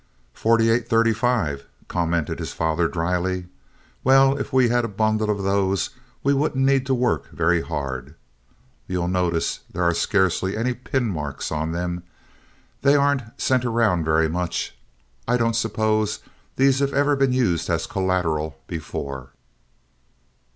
"Forty eight, thirty five," commented his father, dryly. "Well, if we had a bundle of those we wouldn't need to work very hard. You'll notice there are scarcely any pin marks on them. They aren't sent around very much. I don't suppose these have ever been used as collateral before."